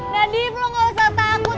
nadi lu gak usah takut